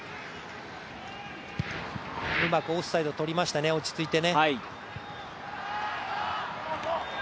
うまくオフサイドをとりましたね、落ち着いて。